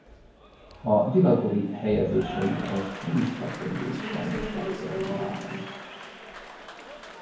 A Dila Gori helyezései az grúz labdarúgó-bajnokság élvonalában.